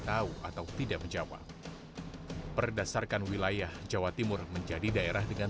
tahu atau tidak menjawab berdasarkan wilayah jawa timur menjadi daerah dengan